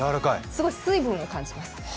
すごい水分を感じます。